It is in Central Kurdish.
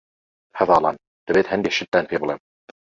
هەڤاڵان ، دەبێت هەندێ شتتان پێ بڵیم.